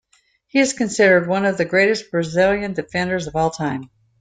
He is considered one of the greatest Brazilian defenders of all-time.